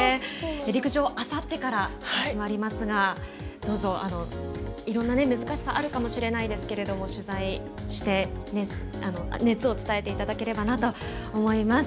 陸上、あさってから始まりますがどうぞ、いろんな難しさがあるかもしれませんが取材して熱を伝えていただければなと思います。